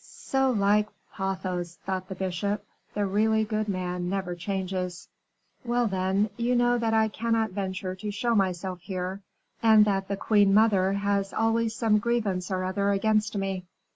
"So like Athos," thought the bishop; "the really good man never changes." "Well, then, you know that I cannot venture to show myself here, and that the queen mother has always some grievance or other against me."